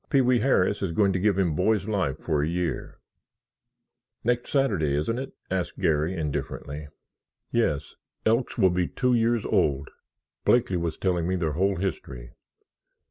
Pee wee Harris is going to give him Boy's Life for a year——" "Next Saturday, isn't it?" asked Garry, indifferently. "Yes—Elks will be two years old. Blakeley was telling me their whole history.